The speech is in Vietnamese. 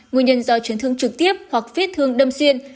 nguyên nhân do chiến thương trực tiếp hoặc viết thương đâm xuyên